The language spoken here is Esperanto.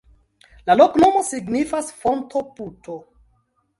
La loknomo signifas: fonto-puto.